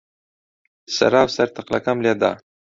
سەرا و سەر تەقلەکم لێ دا.